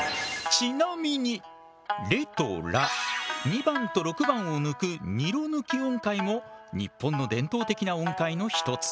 ちなみにレとラ２番と６番を抜くニロ抜き音階も日本の伝統的な音階の一つ。